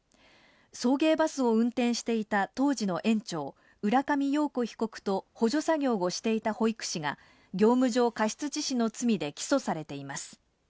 送迎バスを運転していた当時の園長・浦上陽子被告と、補助作業をしていた保育士が業務上過失致死の罪で起訴されています。